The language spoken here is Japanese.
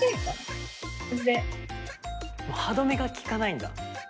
歯止めがきかないんだ。